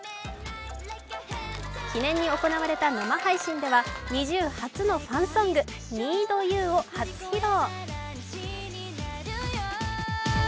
記念に行われた生配信では、ＮｉｚｉＵ初のファンソング、「ＮｅｅｄＵ」を初披露。